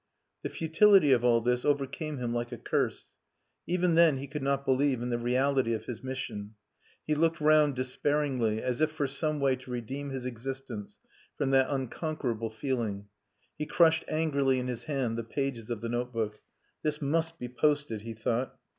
The futility of all this overcame him like a curse. Even then he could not believe in the reality of his mission. He looked round despairingly, as if for some way to redeem his existence from that unconquerable feeling. He crushed angrily in his hand the pages of the notebook. "This must be posted," he thought.